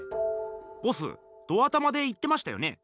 ボスド頭で言ってましたよね？